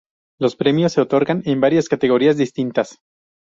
Los premios se otorgan en varias categorías distintas.